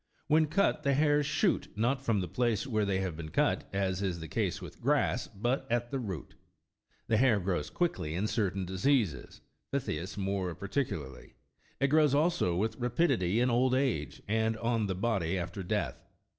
When cut, the hairs shoot, not from the place where they have been cut, as is the case with grass, but at the root. The hah' grows quickly in cer tain diseases, phthisis more particularly ; it grows also with rapidity in old age, and on the body after death.